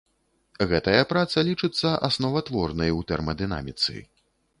Гэтая праца лічыцца асноватворнай у тэрмадынаміцы.